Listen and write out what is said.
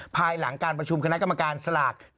ภายหลังการประชุมคณะกรรมการสลาก